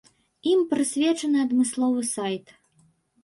Ім прысвечаны адмысловы сайт.